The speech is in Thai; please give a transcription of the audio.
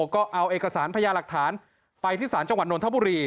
ก็เอาเอกสารพญาหลักฐานไปที่ศาลจังหวัดนทบุรี